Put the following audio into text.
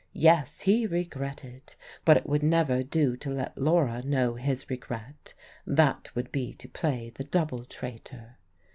Yes, he regretted; but it would never do to let Laura know his regret. That would be to play the double traitor.